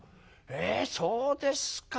えそうですか。